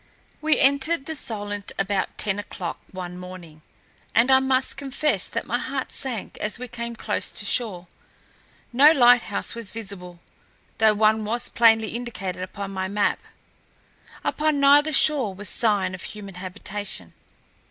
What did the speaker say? We entered the Solent about ten o'clock one morning, and I must confess that my heart sank as we came close to shore. No lighthouse was visible, though one was plainly indicated upon my map. Upon neither shore was sign of human habitation.